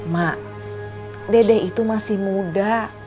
mak dedek itu masih muda